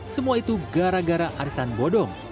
semua itu gara gara arisan bodong